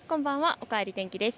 おかえり天気です。